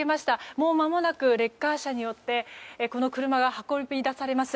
もうまもなくレッカー車によってこの車が運び出されます。